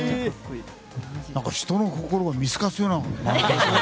人の心を見透かすような。